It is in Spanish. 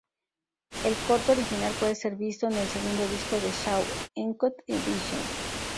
El corto original puede ser visto en el segundo disco de "Saw: Uncut Edition".